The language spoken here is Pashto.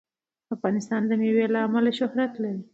افغانستان د مېوې له امله شهرت لري.